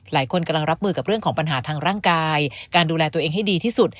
หลายคนกำลังรับมือกับเรื่องของปัญหาทางร่างกายการดูแลตัวเองให้ดีที่สุด